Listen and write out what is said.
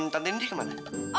tante indri ke mana